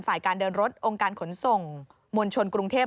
ฝ่ายการเดินรถองค์การขนส่งมวลชนกรุงเทพ